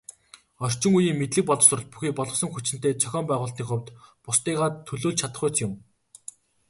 Орчин үеийн мэдлэг боловсрол бүхий боловсон хүчинтэй, зохион байгуулалтын хувьд бусдыгаа төлөөлж чадахуйц юм.